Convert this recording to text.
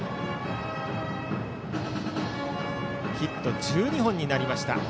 ヒット１２本になりました。